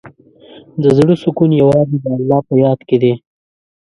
د زړۀ سکون یوازې د الله په یاد کې دی.